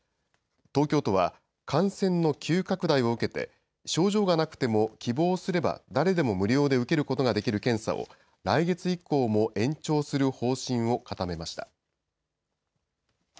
東京都は、感染の急拡大を受けて、症状がなくても希望すれば誰でも無料で受けることができる検査を、来月以降も延長する方針を固めました。